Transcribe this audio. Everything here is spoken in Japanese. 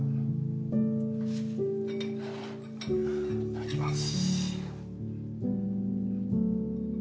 いただきます。